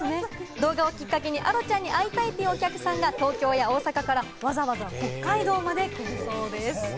動画をきっかけにアロちゃんに会いたいというお客さんが東京や大阪からわざわざ北海道まで来るそうです。